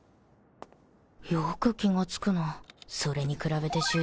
よく気が付くなそれに比べて主人は